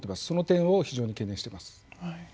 その点を非常に懸念してます。